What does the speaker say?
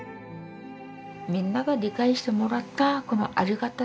みんなが理解してもらったこのありがたさ。